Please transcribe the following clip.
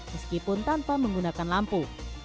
meskipun tanpa menggunakan lampu